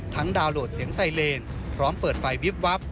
ดาวน์โหลดเสียงไซเลนพร้อมเปิดไฟวิบวับ